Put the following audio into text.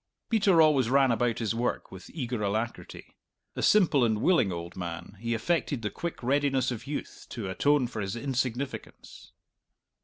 Peter always ran about his work with eager alacrity. A simple and willing old man, he affected the quick readiness of youth to atone for his insignificance.